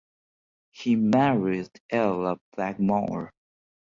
He married Ella Blackmore.